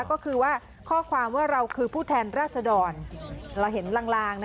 ก็คือว่าข้อความว่าเราคือผู้แทนราษดรเราเห็นลาง